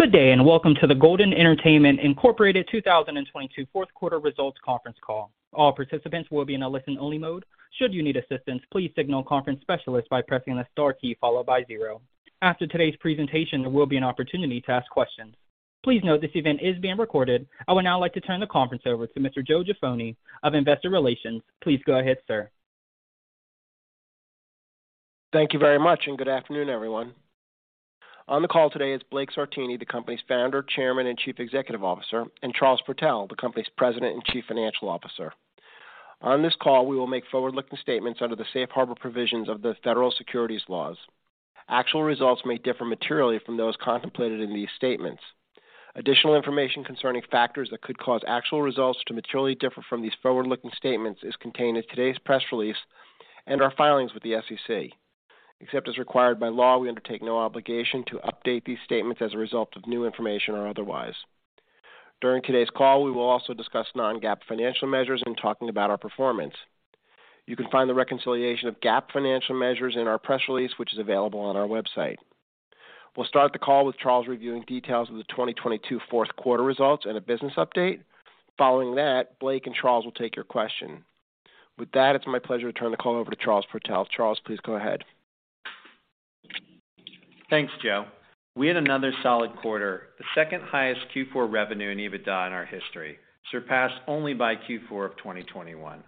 Good day, welcome to the Golden Entertainment, Inc. 2022 fourth quarter results conference call. All participants will be in a listen-only mode. Should you need assistance please signal conference specialist by pressing the star key followed by zero. After today's presentation, there will be an opportunity to ask questions. Please note this event is being recorded. I would now like to turn the conference over to Mr. Joe Jaffoni of Investor Relations. Please go ahead, sir. Thank you very much, good afternoon, everyone. On the call today is Blake Sartini, the company's Founder, Chairman, and Chief Executive Officer, and Charles Protell, the company's President and Chief Financial Officer. On this call, we will make forward-looking statements under the safe harbor provisions of the Federal Securities Laws. Actual results may differ materially from those contemplated in these statements. Additional information concerning factors that could cause actual results to materially differ from these forward-looking statements is contained in today's press release and our filings with the SEC. Except as required by law we undertake no obligation to update these statements as a result of new information or otherwise. During today's call, we will also discuss non-GAAP financial measures in talking about our performance. You can find the reconciliation of GAAP financial measures in our press release, which is available on our website. We will start the call with Charles reviewing details of the 2022 fourth quarter results and a business update. Following that, Blake and Charles will take your question. With that, it's my pleasure to turn the call over to Charles Protell. Charles, please go ahead. Thanks, Joe. We had another solid quarter, the second-highest Q4 revenue in EBITDA in our history, surpassed only by Q4 of 2021.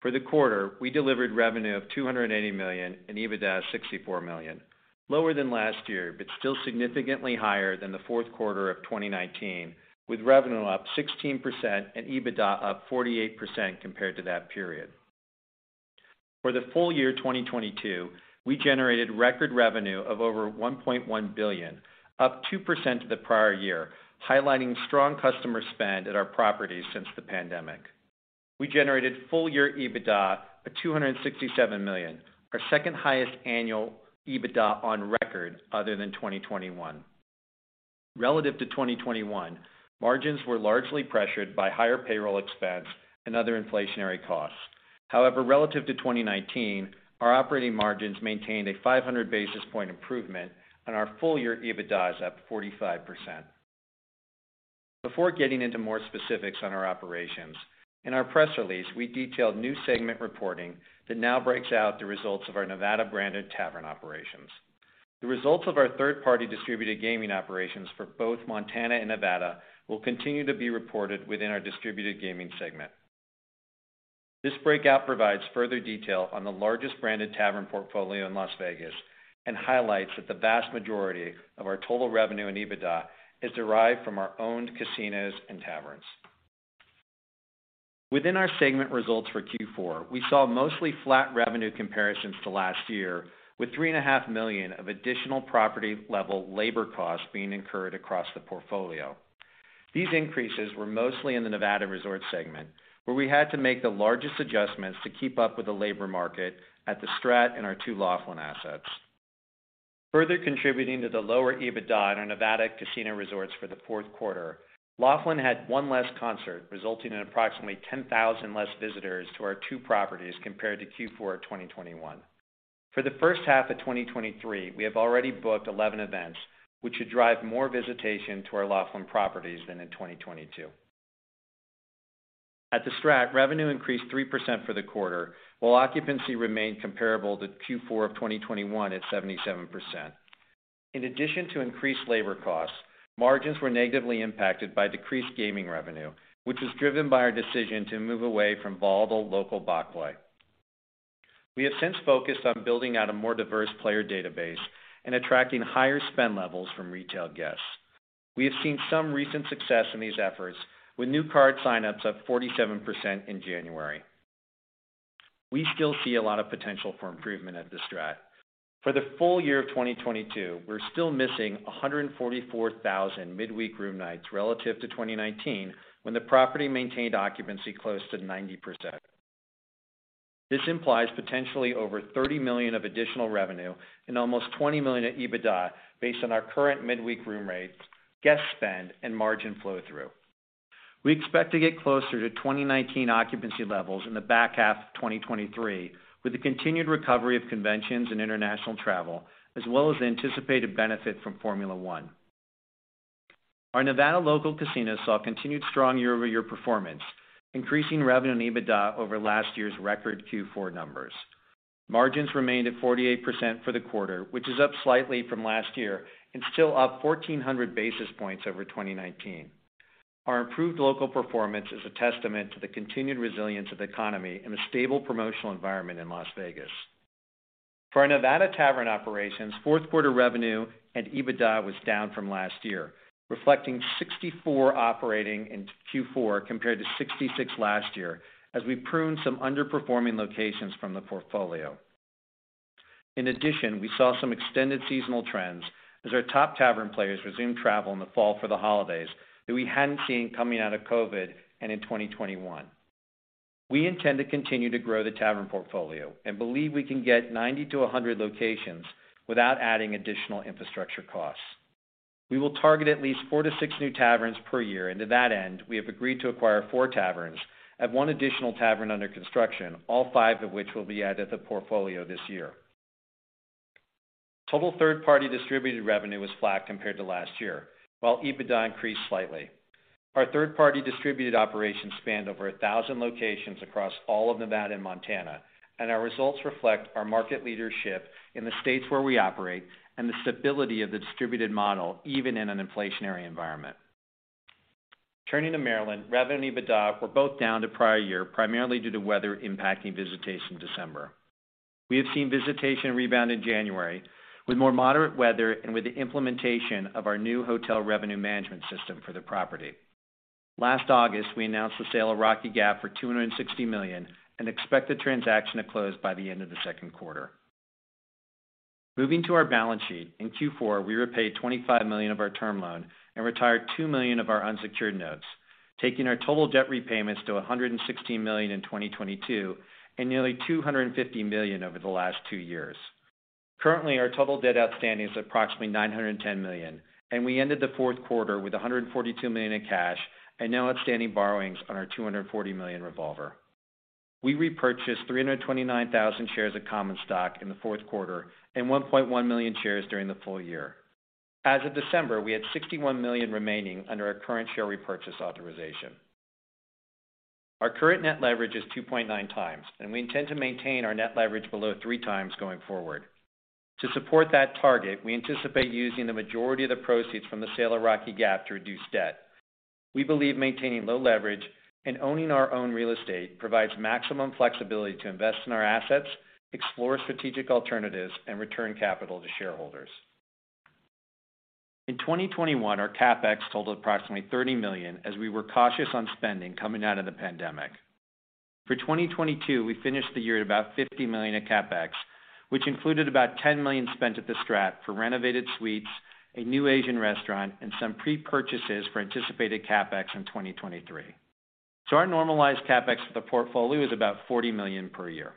For the quarter we delivered revenue of $280 million and EBITDA of $64 million, lower than last year, but still significantly higher than the fourth quarter of 2019, with revenue up 16% and EBITDA up 48% compared to that period. For the full year 2022, we generated record revenue of over $1.1 billion, up 2% to the prior year, highlighting strong customer spend at our properties since the pandemic. We generated full-year EBITDA of $267 million, our second-highest annual EBITDA on record other than 2021. Relative to 2021, margins were largely pressured by higher payroll expense and other inflationary costs. However relative to 2019, our operating margins maintained a 500 basis point improvement, and our full-year EBITDA is up 45%. Before getting into more specifics on our operations, in our press release, we detailed new segment reporting that now breaks out the results of our Nevada branded tavern operations. The results of our third-party distributed gaming operations for both Montana and Nevada will continue to be reported within our distributed gaming segment. This breakout provides further detail on the largest branded tavern portfolio in Las Vegas and highlights that the vast majority of our total revenue in EBITDA is derived from our owned casinos and taverns. Within our segment results for Q4, we saw mostly flat revenue comparisons to last year, with $3 and a half million of additional property-level labor costs being incurred across the portfolio. These increases were mostly in the Nevada Resorts segment, where we had to make the largest adjustments to keep up with the labor market at The STRAT and our two Laughlin assets. Further contributing to the lower EBITDA on our Nevada Casino Resorts for the fourth quarter, Laughlin had one less concert, resulting in approximately 10,000 less visitors to our two properties compared to Q4 of 2021. For the first half of 2023, we have already booked 11 events, which should drive more visitation to our Laughlin properties than in 2022. At The STRAT, revenue increased 3% for the quarter, while occupancy remained comparable to Q4 of 2021 at 77%. In addition to increased labor costs, margins were negatively impacted by decreased gaming revenue, which is driven by our decision to move away from volatile local buck play. We have since focused on building out a more diverse player database and attracting higher spend levels from retail guests. We have seen some recent success in these efforts, with new card signups up 47% in January. We still see a lot of potential for improvement at The STRAT. For the full year of 2022, we are still missing 144,000 midweek room nights relative to 2019 when the property maintained occupancy close to 90%. This implies potentially over $30 million of additional revenue and almost $20 million in EBITDA based on our current midweek room rates, guest spend, and margin flow-through. We expect to get closer to 2019 occupancy levels in the back half of 2023, with the continued recovery of conventions and international travel, as well as the anticipated benefit from Formula One. Our Nevada local casinos saw continued strong year-over-year performance, increasing revenue and EBITDA over last year's record Q4 numbers. Margins remained at 48% for the quarter which is up slightly from last year and still up 1,400 basis points over 2019. Our improved local performance is a testament to the continued resilience of the economy and the stable promotional environment in Las Vegas. For our Nevada tavern operations, fourth quarter revenue and EBITDA was down from last year, reflecting 64 operating in Q4 compared to 66 last year as we pruned some underperforming locations from the portfolio. We saw some extended seasonal trends as our top tavern players resumed travel in the fall for the holidays that we hadn't seen coming out of COVID and in 2021. We intend to continue to grow the tavern portfolio and believe we can get 90 to 100 locations without adding additional infrastructure costs. We will target at least 4 to 6 new taverns per year. To that end, we have agreed to acquire 4 taverns and have 1 additional tavern under construction, all 5 of which will be added to the portfolio this year. Total third-party distributed revenue was flat compared to last year, while EBITDA increased slightly. Our third-party distributed operations spanned over 1,000 locations across all of Nevada and Montana. Our results reflect our market leadership in the states where we operate and the stability of the distributed model, even in an inflationary environment. Turning to Maryland, revenue and EBITDA were both down to prior year primarily due to weather impacting visitation in December. We have seen visitation rebound in January with more moderate weather and with the implementation of our new hotel revenue management system for the property. Last August, we announced the sale of Rocky Gap for $260 million and expect the transaction to close by the end of the second quarter. Moving to our balance sheet. In Q4, we repaid $25 million of our term loan and retired $2 million of our unsecured notes, taking our total debt repayments to $116 million in 2022 and nearly $250 million over the last two years. Currently our total debt outstanding is approximately $910 million, and we ended the fourth quarter with $142 million in cash and no outstanding borrowings on our $240 million revolver. We repurchased 329,000 shares of common stock in the fourth quarter and 1.1 million shares during the full year. As of December we had 61 million remaining under our current share repurchase authorization. Our current net leverage is 2.9x, and we intend to maintain our net leverage below 3x going forward. To support that target we anticipate using the majority of the proceeds from the sale of Rocky Gap to reduce debt. We believe maintaining low leverage and owning our own real estate provides maximum flexibility to invest in our assets, explore strategic alternatives and return capital to shareholders. In 2021, our CapEx totaled approximately $30 million as we were cautious on spending coming out of the pandemic. For 2022, we finished the year at about $50 million of CapEx, which included about $10 million spent at The STRAT for renovated suites, a new Asian restaurant and some prepurchases for anticipated CapEx in 2023. Our normalized CapEx for the portfolio is about $40 million per year.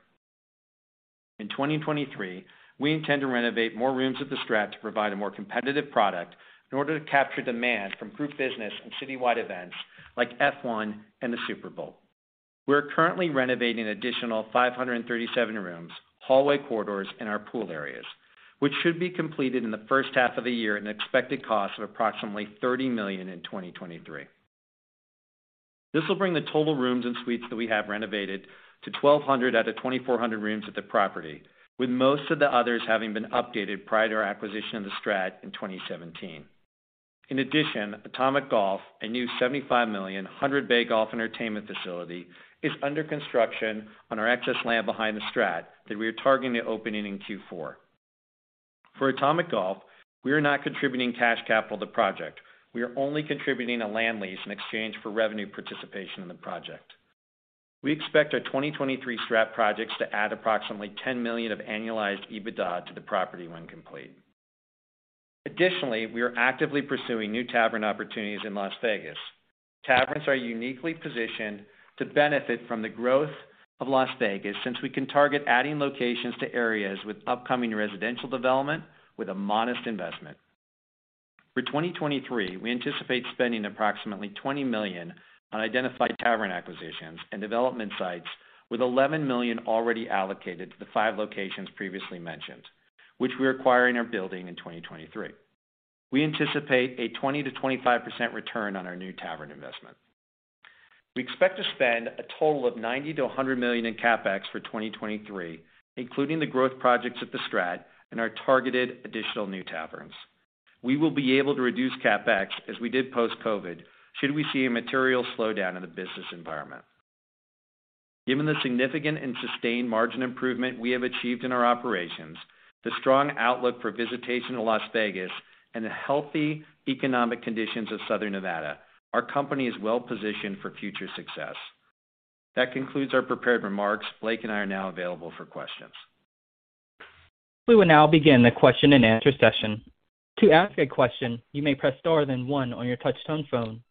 In 2023, we intend to renovate more rooms at The STRAT to provide a more competitive product in order to capture demand from group business and citywide events like F1 and the Super Bowl. We are currently renovating additional 537 rooms, hallway corridors and our pool areas, which should be completed in the first half of the year, an expected cost of approximately $30 million in 2023. This will bring the total rooms and suites that we have renovated to 1,200 out of 2,400 rooms at the property, with most of the others having been updated prior to our acquisition of The STRAT in 2017. In addition, Atomic Golf, a new $75 million, 100-bay golf entertainment facility, is under construction on our excess land behind The STRAT that we are targeting to opening in Q4. For Atomic Golf, we are not contributing cash capital to project. We are only contributing a land lease in exchange for revenue participation in the project. We expect our 2023 The STRAT projects to add approximately $10 million of annualized EBITDA to the property when complete. Additionally, we are actively pursuing new Tavern opportunities in Las Vegas. Taverns are uniquely positioned to benefit from the growth of Las Vegas since we can target adding locations to areas with upcoming residential development with a modest investment. For 2023, we anticipate spending approximately $20 million on identified Tavern acquisitions and development sites with $11 million already allocated to the 5 locations previously mentioned, which we are acquiring or building in 2023. We anticipate a 20%-25% return on our new Tavern investment. We expect to spend a total of $90 million-$100 million in CapEx for 2023, including the growth projects at The STRAT and our targeted additional new Taverns. We will be able to reduce CapEx as we did post-COVID, should we see a material slowdown in the business environment. Given the significant and sustained margin improvement we have achieved in our operations, the strong outlook for visitation to Las Vegas and the healthy economic conditions of Southern Nevada, our company is well positioned for future success. That concludes our prepared remarks. Blake and I are now available for questions. We will now begin the question and answer session. To ask a question, you may press Star then One on your touchtone phone.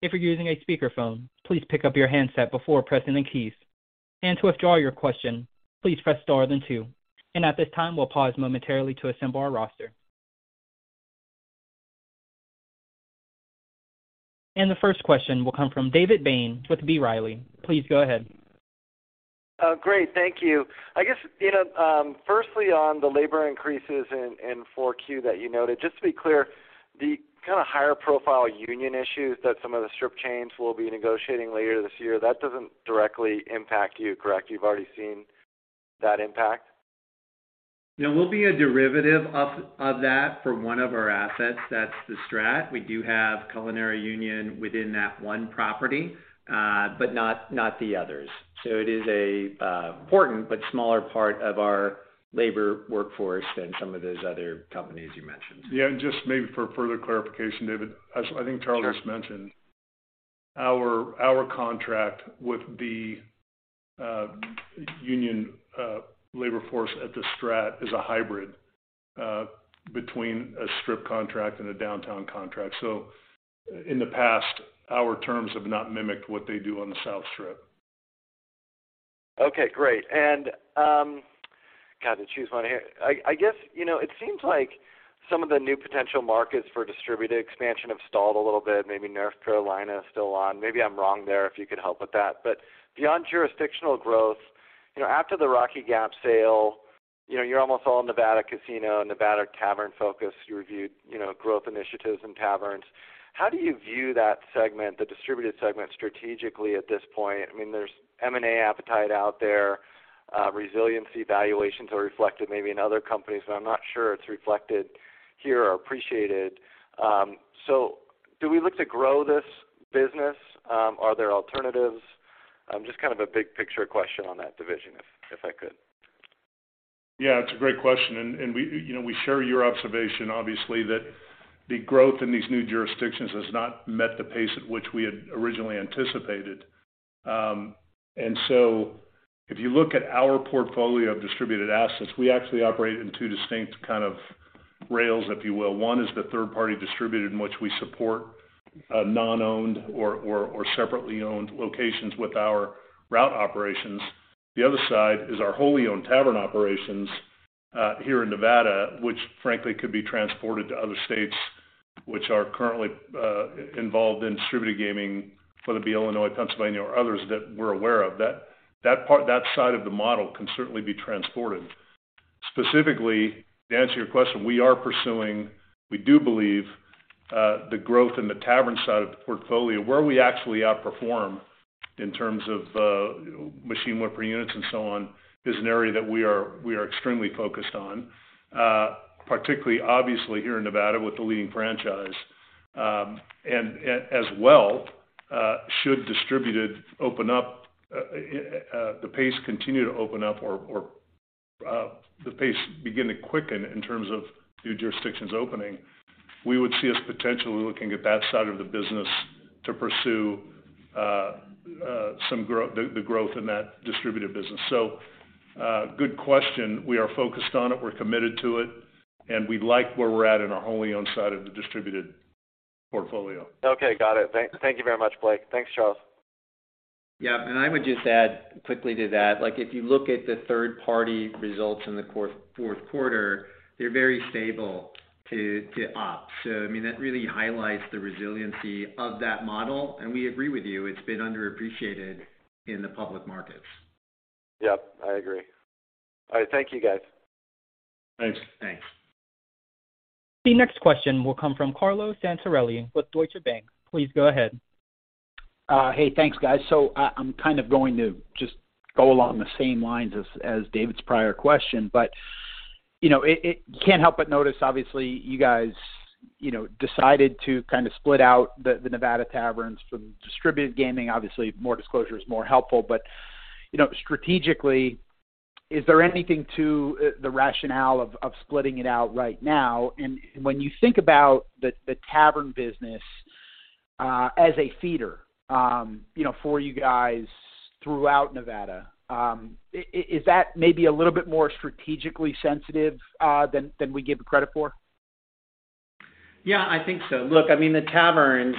If you are using a speakerphone, please pick up your handset before pressing the keys. To withdraw your question, please press Star then Two. At this time, we will pause momentarily to assemble our roster. The first question will come from David Bain with B. Riley. Please go ahead. Great, thank you. I guess, you know firstly on the labor increases in 4Q that you noted just to be clear, the kinda higher profile union issues that some of the strip chains will be negotiating later this year, that doesn't directly impact you, correct? You have already seen that impact. Yeah, we will be a derivative of that for one of our assets. That is The STRAT. We do have Culinary Union within that one property, but not the others. It is a important but smaller part of our labor workforce than some of those other companies you mentioned. Yeah, just maybe for further clarification, David, as I think Charlie just mentioned, our contract with the union labor force at The STRAT is a hybrid between a strip contract and a downtown contract. In the past, our terms have not mimicked what they do on the South Strip. Okay, great. God, to choose one here, I guess you know, it seems like some of the new potential markets for distributed expansion have stalled a little bit. Maybe North Carolina is still on. Maybe I'm wrong there, if you could help with that. Beyond jurisdictional growth, you know, after the Rocky Gap sale, you know, you're almost all Nevada casino and Nevada tavern-focused. You reviewed, you know, growth initiatives in taverns. How do you view that segment the distributed segment, strategically at this point? I mean, there is M&A appetite out there. Resiliency valuations are reflected maybe in other companies, but I am not sure it is reflected here or appreciated. Do we look to grow this business? Are there alternatives? Just kind of a big picture question on that division, if I could. Yeah, it is a great question, we you know, we share your observation, obviously, that the growth in these new jurisdictions has not met the pace at which we had originally anticipated. If you look at our portfolio of distributed assets, we actually operate in two distinct kind of rails, if you will. One is the third-party distributed, in which we support non-owned or separately owned locations with our route operations. The other side is our wholly owned tavern operations here in Nevada, which frankly could be transported to other states which are currently involved in distributed gaming, whether it be Illinois, Pennsylvania, or others that we are aware of. That side of the model can certainly be transported. Specifically, to answer your question we are pursuing, we do believe, the growth in the tavern side of the portfolio, where we actually outperform in terms of machine win per units and so on, is an area that we are extremely focused on. Particularly obviously here in Nevada with the leading franchise. As well, should distributed open up, the pace continue to open up or the pace begin to quicken in terms of new jurisdictions opening, we would see us potentially looking at that side of the business to pursue the growth in that distributed business. Good question. We are focused on it. We are committed to it, and we like where we're at in our wholly owned side of the distributed portfolio. Okay, got it. Thank you very much, Blake. Thanks, Charles. Yeah. I would just add quickly to that, like if you look at the third-party results in the fourth quarter, they a ie very stable to op. I mean, that really highlights the resiliency of that model, and we agree with you, it's been underappreciated in the public markets. Yep, I agree. All right. Thank you, guys. Thanks. Thanks. The next question will come from Carlo Santarelli with Deutsche Bank. Please go ahead. Hey, thanks, guys. I'm kind of going to just go along the same lines as David's prior question. You know, it, you can't help but notice, obviously, you guys, you know, decided to kind of split out the Nevada taverns from distributed gaming. Obviously, more disclosure is more helpful. You know, strategically, is there anything to the rationale of splitting it out right now? When you think about the tavern business as a feeder, you know, for you guys throughout Nevada, is that maybe a little bit more strategically sensitive than we give credit for? Yeah, I think so. Look, the taverns,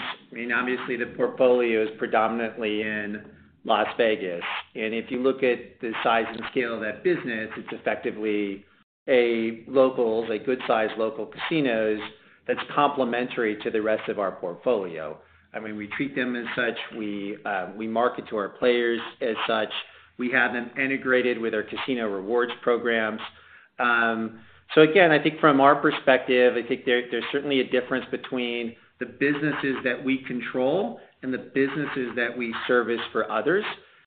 obviously the portfolio is predominantly in Las Vegas. If you look at the size and scale of that business, it is effectively a local, a good-sized local casino that is complementary to the rest of our portfolio. We treat them as such. We market to our players as such. We have them integrated with our True Rewards programs. Again, I think from our perspective, I think there is certainly a difference between the businesses that we control and the businesses that we service for others.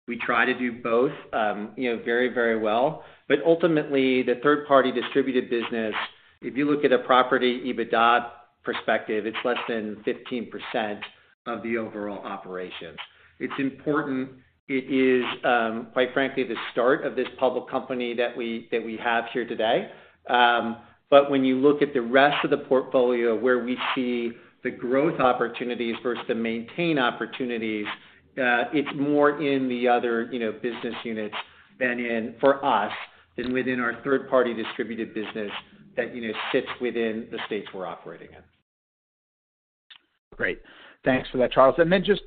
We try to do both, very, very well. Ultimately, the third party distributed business, if you look at a property EBITDA perspective, it's less than 15% of the overall operations. It's important. It is, quite frankly, the start of this public company that we have here today. When you look at the rest of the portfolio where we see the growth opportunities versus the maintain opportunities, it's more in the other, you know, business units than in, for us, than within our third-party distributed business that, you know, sits within the states we're operating in. Great. Thanks for that, Charles.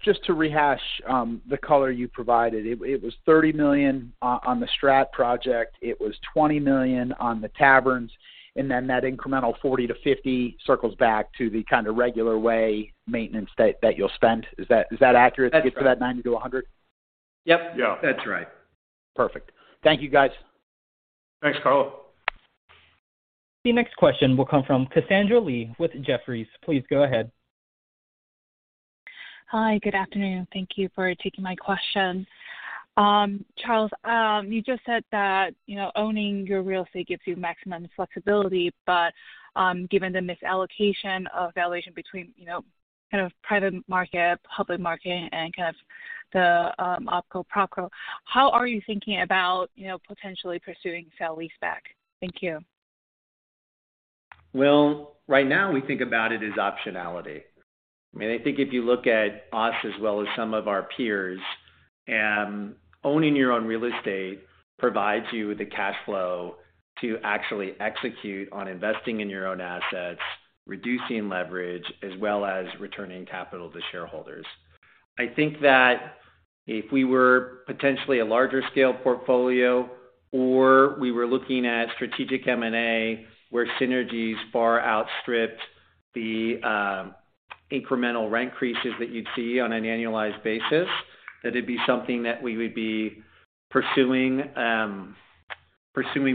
Just to rehash, the color you provided. It was $30 million on The STRAT project. It was $20 million on the taverns. That incremental $40 million-$50 million circles back to the kind of regular way maintenance that you will spend. Is that accurate? That is right. To get to that 90-100? Yep. Yeah. That's right. Perfect. Thank you, guys. Thanks, Carlo. The next question will come from Cassandra Lee with Jefferies. Please go ahead. Hi, good afternoon. Thank you for taking my questions. Charles, you just said that, you know, owning your real estate gives you maximum flexibility, but, given the misallocation of valuation between, you know, kind of private market, public market, and kind of the, op co, prop co, how are you thinking about, you know, potentially pursuing sale lease back? Thank you. Well, right now, we think about it as optionality. I mean, I think if you look at us as well as some of our peers, owning your own real estate provides you the cash flow to actually execute on investing in your own assets, reducing leverage, as well as returning capital to shareholders. I think that if we were potentially a larger scale portfolio or we were looking at strategic M&A where synergies far outstripped the incremental rent increases that you'd see on an annualized basis, that it'd be something that we would be pursuing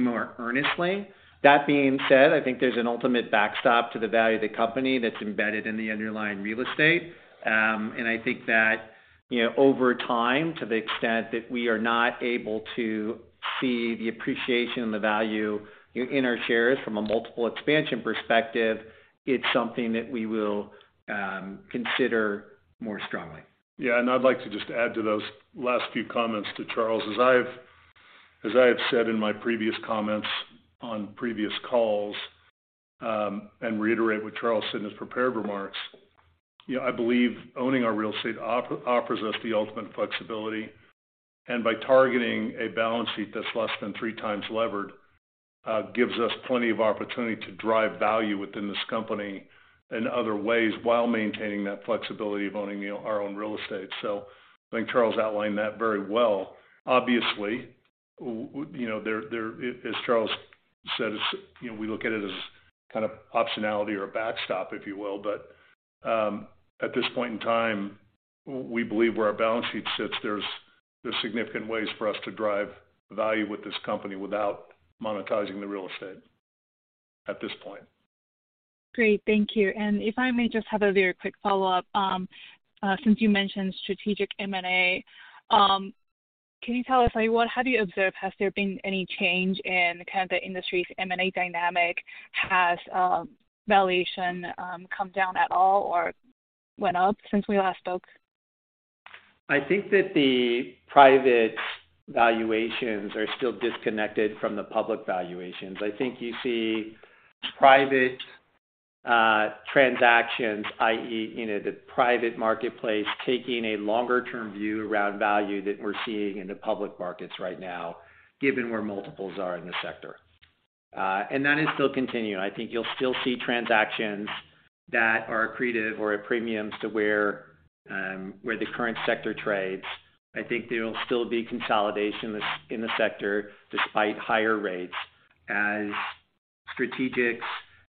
more earnestly. That being said, I think there's an ultimate backstop to the value of the company that's embedded in the underlying real estate. I think that, you know, over time, to the extent that we are not able to see the appreciation and the value in our shares from a multiple expansion perspective, it's something that we will consider more strongly. Yeah. I'd like to just add to those last few comments to Charles. As I have said in my previous comments on previous calls, and reiterate what Charles said in his prepared remarks, you know, I believe owning our real estate offers us the ultimate flexibility. By targeting a balance sheet that's less than 3x levered, gives us plenty of opportunity to drive value within this company in other ways, while maintaining that flexibility of owning, you know, our own real estate. I think Charles outlined that very well. Obviously, As Charles said, you know, we look at it as kind of optionality or a backstop, if you will. At this point in time, we believe where our balance sheet sits, there is significant ways for us to drive value with this company without monetizing the real estate at this point. Great. Thank you. If I may just have a very quick follow-up. Since you mentioned strategic M&A, can you tell us, like, what have you observed? Has there been any change in kind of the industry's M&A dynamic? Has valuation come down at all or went up since we last spoke? I think that the private valuations are still disconnected from the public valuations. I think you see private transactions, i.e., you know, the private marketplace taking a longer-term view around value than we're seeing in the public markets right now, given where multiples are in the sector. That is still continuing. I think you will still see transactions that are accretive or at premiums to where the current sector trades. I think there'll still be consolidation in the sector despite higher rates, as strategics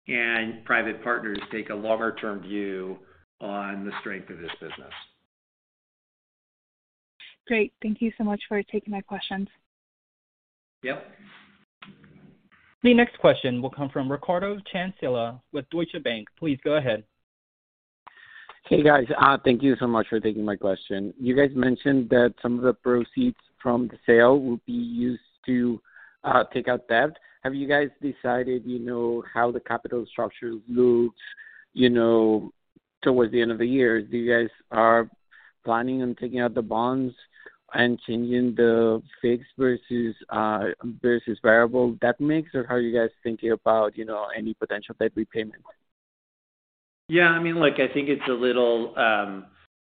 and private partners take a longer-term view on the strength of this business. Great. Thank you so much for taking my questions. Yep. The next question will come from Ricardo Chinchilla with Deutsche Bank. Please go ahead. Hey, guys, thank you so much for taking my question. You guys mentioned that some of the proceeds from the sale will be used to pay out debt. Have you guys decided, you know, how the capital structure looks, you know, towards the end of the year? Do you guys are planning on taking out the bonds and changing the fixed versus variable debt mix, or how are you guys thinking about, you know, any potential debt repayment? Yeah, I mean, look, I think it is a little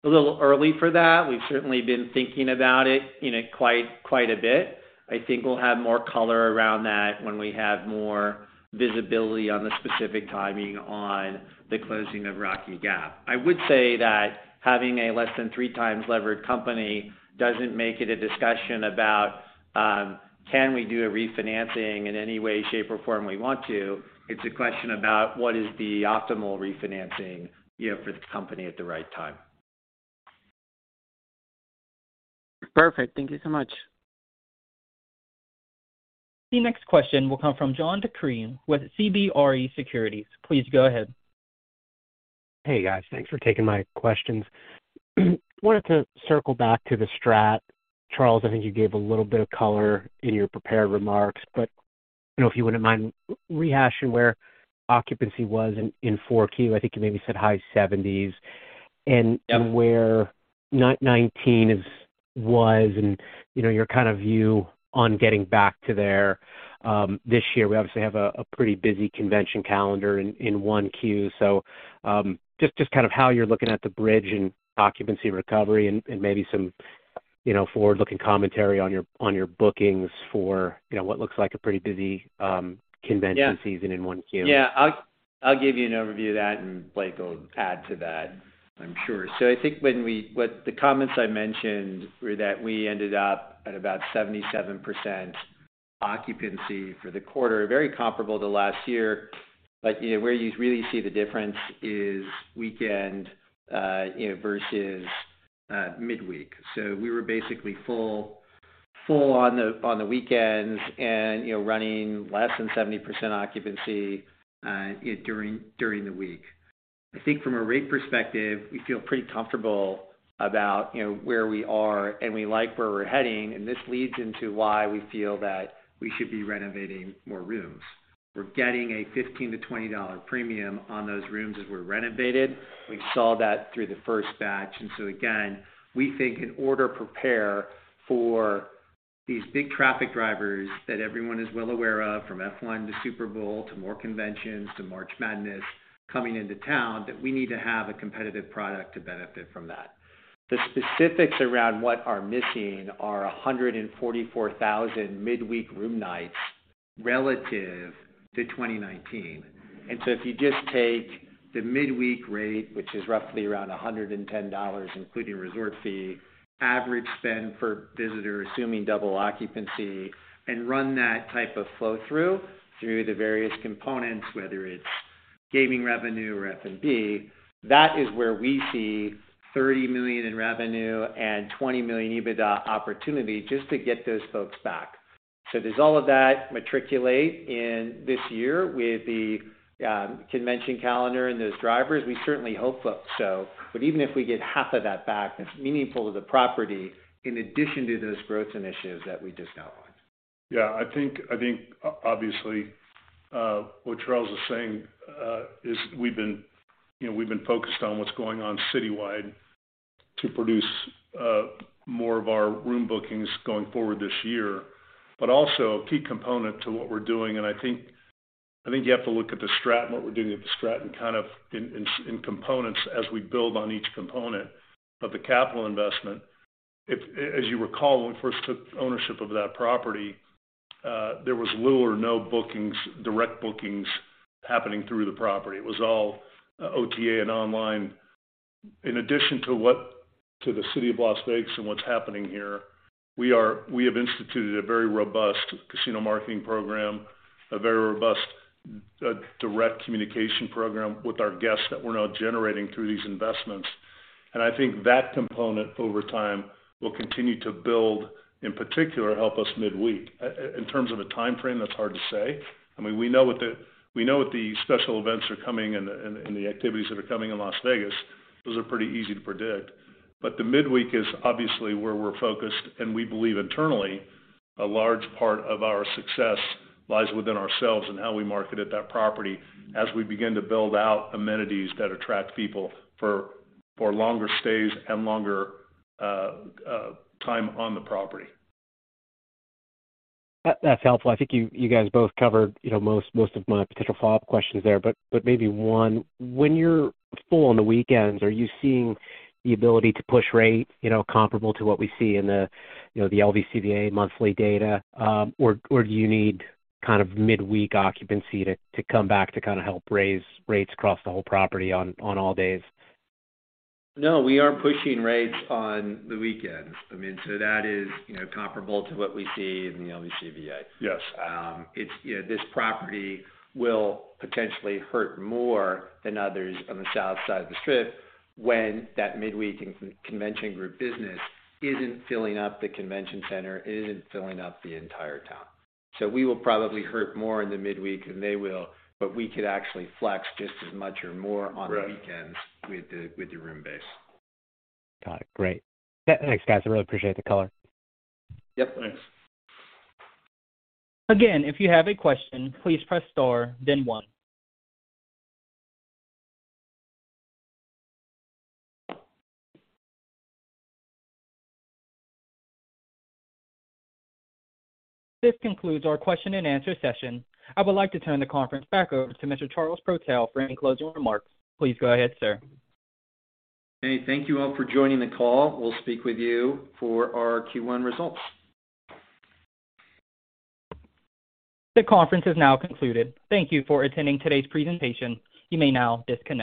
early for that. We've certainly been thinking about it, you know, quite a bit. I think we'll have more color around that when we have more visibility on the specific timing on the closing of Rocky Gap. I would say that having a less than 3 times levered company doesn't make it a discussion about, can we do a refinancing in any way, shape, or form we want to. It's a question about what is the optimal refinancing, you know, for the company at the right time. Perfect. Thank you so much. The next question will come from John DeCree with CBRE Securities. Please go ahead. Hey, guys. Thanks for taking my questions. Wanted to circle back to The STRAT. Charles, I think you gave a little bit of color in your prepared remarks, but, you know, if you wouldn't mind rehashing where occupancy was in 4Q. I think you maybe said high 70s. Yep. And where 2019, was, and, you know, your kind of view on getting back to there this year. We obviously have a pretty busy convention calendar in 1 Q. Kind of how you're looking at the bridge and occupancy recovery and maybe some, you know, forward-looking commentary on your bookings for, you know what looks like a pretty busy convention-? Season in 1 Q. Yeah. I will give you an overview of that, and Blake will add to that, I'm sure. The comments I mentioned were that we ended up at about 77% occupancy for the quarter, very comparable to last year. You know, where you really see the difference is weekend, versus midweek. We were basically full on the weekends and, you know, running less than 70% occupancy during the week. I think from a rate perspective, we feel pretty comfortable about, you know, where we are, and we like where we are heading, and this leads into why we feel that we should be renovating more rooms. We're getting a $15-$20 premium on those rooms as we renovate it. We saw that through the first batch, again, we think in order to prepare for these big traffic drivers that everyone is well aware of, from F1 to Super Bowl to more conventions, to March Madness coming into town, that we need to have a competitive product to benefit from that. The specifics around what are missing are 144,000 midweek room nights-Relative to 2019. If you just take the midweek rate, which is roughly around $110, including resort fee average spend per visitor, assuming double occupancy, and run that type of flow through the various components, whether it's gaming revenue or F&B, that is where we see $30 million in revenue and $20 million EBITDA opportunity just to get those folks back. Does all of that matriculate in this year with the convention calendar and those drivers? We certainly hope so. Even if we get half of that back, that is meaningful to the property, in addition to those growth initiatives that we just outlined. Yeah, I think obviously, what Charles is saying, is we have been, you know, we have been focused on what is going on citywide to produce, more of our room bookings going forward this year, but also a key component to what we are doing. I think you have to look at The STRAT, what we are doing at The STRAT, kind of in components as we build on each component of the capital investment. If, as you recall, when we first took ownership of that property, there was little or no bookings, direct bookings happening through the property. It was all, OTA and online. In addition to the City of Las Vegas and what is happening here, we have instituted a very robust casino marketing program, a very robust direct communication program with our guests that we are now generating through these investments. I think that component over time will continue to build, in particular, help us midweek. In terms of a timeframe, that is hard to say. I mean, we know what the special events are coming and the activities that are coming in Las Vegas. Those are pretty easy to predict. The midweek is obviously where we are focused, and we believe internally a large part of our success lies within ourselves and how we marketed that property as we begin to build out amenities that attract people for longer stays and longer time on the property. That is helpful. I think you guys both covered, you know, most of my potential follow-up questions there. Maybe one. When you're full on the weekends, are you seeing the ability to push rate, you know, comparable to what we see in the, you know, the LVCVA monthly data? Or do you need kind of midweek occupancy to come back to kind of help raise rates across the whole property on all days? No, we are pushing rates on the weekends. I mean, that is, you know, comparable to what we see in the LVCVA. Yes. It's, you know, this property will potentially hurt more than others on the south side of the Strip when that midweek and convention group business isn't filling up the convention center, isn't filling up the entire town. We will probably hurt more in the midweek than they will, but we could actually flex just as much or more. Right. On the weekends with the room base. Got it. Great. Yeah, thanks, guys. I really appreciate the color. Yep. Thanks. Again, if you have a question, please press star then 1. This concludes our question and answer session. I would like to turn the conference back over to Mr. Charles Protell for any closing remarks. Please go ahead, sir. Okay. Thank you all for joining the call. We will speak with you for our Q1 results. The conference has now concluded. Thank you for attending today's presentation. You may now disconnect.